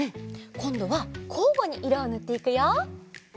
こんどはこうごにいろをぬっていくよ。